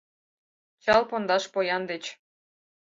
Чал-Пондаш поян деч;